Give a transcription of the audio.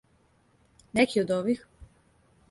Неки од ових?